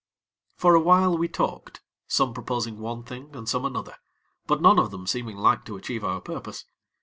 For a while we talked, some proposing one thing, and some another; but none of them seeming like to achieve our purpose.